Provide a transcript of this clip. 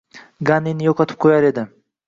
Ganini yo‘qotib qo‘yar edi.